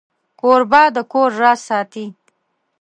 کوربه د کور راز ساتي.